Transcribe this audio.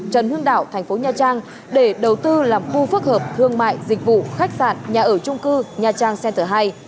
trần hương đảo thành phố nha trang để đầu tư làm khu phức hợp thương mại dịch vụ khách sạn nhà ở trung cư nha trang center hai